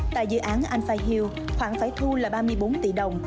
tại dự án alpha hill khoảng phải thu là ba mươi bốn tỷ đồng